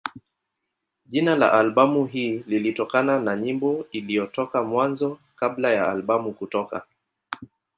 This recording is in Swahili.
Jina la albamu hii lilitokana na nyimbo iliyotoka Mwanzo kabla ya albamu kutoka.